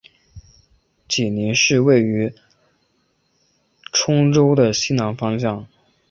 济宁市位于兖州的西南方向。